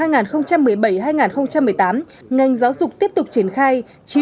ngành giáo dục tiếp tục triển khai